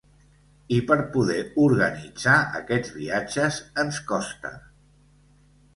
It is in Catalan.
I per poder organitzar aquests viatges ens costa.